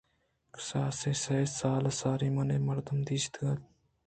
کساس سئے سال ساری من اے مردک ءَدیستگ اَت